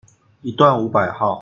一段五百號